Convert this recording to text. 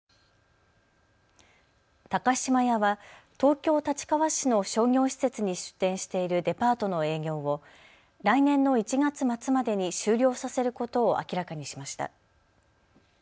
高島屋は東京立川市の商業施設に出店しているデパートの営業を来年の１月末までに終了させることを明らかにしました。